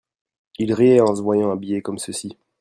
Il riait en se voyant habillé comme ceci.